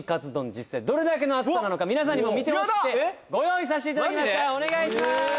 実際どれだけの厚さなのか皆さんにも見てほしくてご用意させていただきましたお願いします・